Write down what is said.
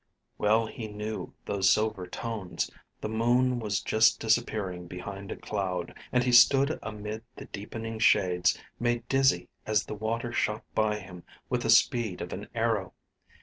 Well he knew those silver tones: the moon was just disappearing behind a cloud, and he stood amid the deepening shades, made dizzy as the water shot by him with the speed of an arrow.